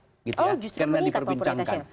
oh justru meningkat popularitasnya